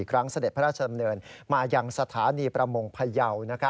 เสด็จพระราชดำเนินมายังสถานีประมงพยาว